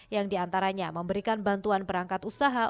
yang diantaranya memberikan bantuan perangkat usaha